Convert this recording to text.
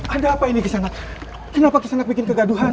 ada apa ini kisangat kenapa kisangat bikin kegaduhan